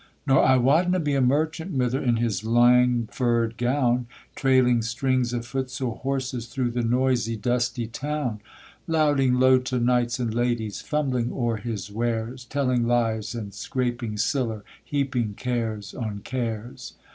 Nor I wadna be a merchant, mither, in his lang furred gown, Trailing strings o' footsore horses through the noisy dusty town; Louting low to knights and ladies, fumbling o'er his wares, Telling lies, and scraping siller, heaping cares on cares.